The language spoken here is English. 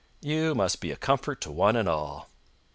"You must be a comfort to one and all!"